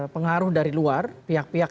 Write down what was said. pengaruh dari luar pihak pihak